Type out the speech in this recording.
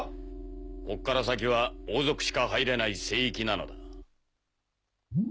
ここから先は王族しか入れない聖域なのだ。